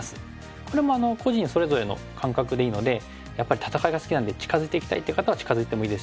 これも個人それぞれの感覚でいいのでやっぱり戦いが好きなんで近づいていきたいって方は近づいてもいいですし。